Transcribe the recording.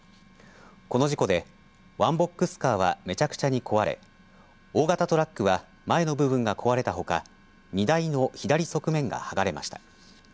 この事故でワンボックスカーはめちゃくちゃに壊れ大型トラックは前の部分が壊れたほか荷台の左側面が剥がれました。